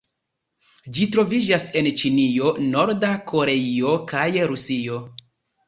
Ĝi troviĝas en Ĉinio, Norda Koreio kaj Rusio.